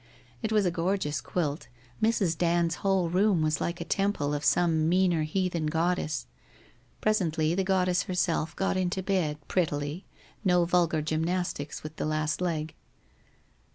It was a gorgeous quilt, Mrs. Dand's whole room was like a temple of some meaner heathen goddess. Presently the goddess herself got into bed, prettily — no vulgar gymnastics with the last teg.